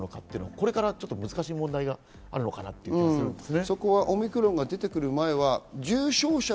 これからちょっと難しい問題があるのかなと思いますね。